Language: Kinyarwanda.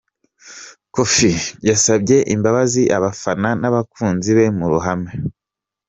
Kofi yasabye imbabazi abafana n’abakunzi be mu ruhame